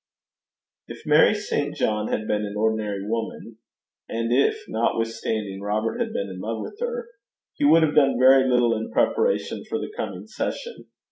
If Mary St. John had been an ordinary woman, and if, notwithstanding, Robert had been in love with her, he would have done very little in preparation for the coming session.